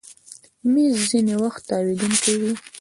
مېز ځینې وخت تاوېدونکی وي.